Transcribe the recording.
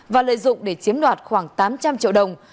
và lợi dụng để chiếm đoạt khoảng tám trăm linh triệu đồng